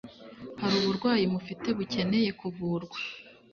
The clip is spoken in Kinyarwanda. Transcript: hari uburwayi mufite bukeneye kuvurwa